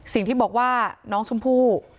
สิ่งที่บอกว่าน้องชมพู่